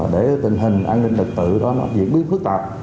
để tình hình an ninh lực tự đó nó diễn biến phức tạp